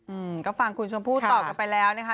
อืมก็ฟังคุณชมพู่ตอบกันไปแล้วนะคะ